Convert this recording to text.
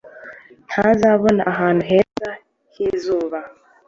ntazabona ahantu heza h'izuba